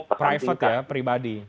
private ya pribadi